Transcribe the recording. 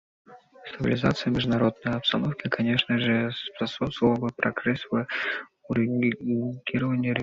Стабилизации международной обстановки, конечно же, способствовал бы прогресс в урегулировании региональных конфликтов.